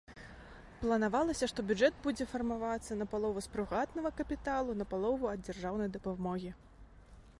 Планавалася, што бюджэт будзе фарміравацца напалову з прыватнага капіталу, напалову ад дзяржаўнай дапамогі.